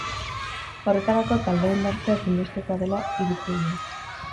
Horretarako, taldea indartzea ezinbestekoa dela iritzi dio.